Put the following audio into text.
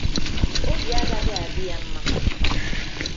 obi agaghị adị ya mma